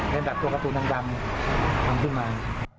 เป็นแบบตัวการ์ตูนดำทำขึ้นมา